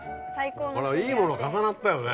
いいもの重なったよね。